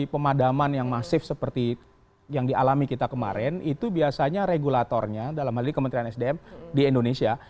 pemadaman yang masif seperti yang dialami kita kemarin itu biasanya regulatornya dalam hal ini kementerian sdm di indonesia